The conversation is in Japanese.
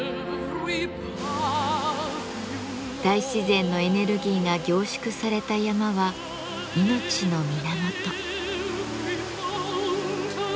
大自然のエネルギーが凝縮された山は命の源。